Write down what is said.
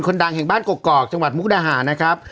ดังแห่งบ้านกกอกจังหวัดมุกดาหารนะครับ